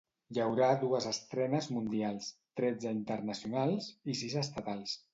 Hi haurà dues estrenes mundials, tretze internacionals i sis estatals.